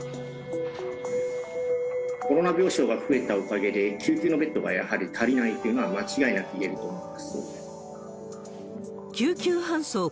コロナ病床が増えたおかげで、救急のベッドがやはり足りないっていうのは、間違いなく言えると思います。